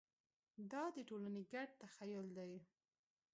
دا د ټولنې ګډ تخیل دی.